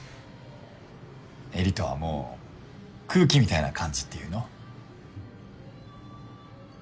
絵里とはもう空気みたいな感じっていうの？